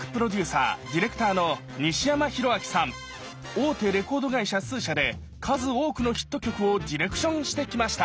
大手レコード会社数社で数多くのヒット曲をディレクションしてきました。